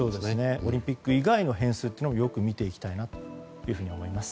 オリンピック以外の変数もよく見ていきたいなと思います。